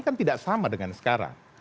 kan tidak sama dengan sekarang